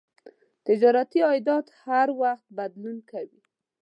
تجارتي عایدات هر وخت بدلون کوي.